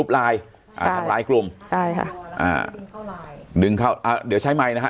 ลายกลุ่มใช่ค่ะอ่าดึงเข้าอ่าเดี๋ยวใช้ไมค์นะฮะ